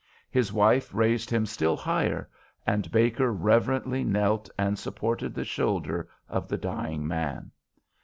His wife raised him still higher, and Baker reverently knelt and supported the shoulder of the dying man.